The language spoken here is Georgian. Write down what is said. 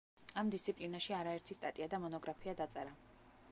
ამ დისციპლინაში არაერთი სტატია და მონოგრაფია დაწერა.